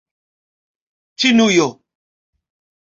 ĉinujo